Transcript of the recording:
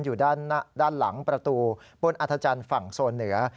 อยู่ด้านหลังประตูบนอัธจันทร์ฝั่งโซนเหนือ